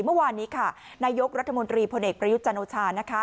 เมื่อวานนี้ค่ะนายกรัฐมนตรีพลเอกประยุทธ์จันโอชานะคะ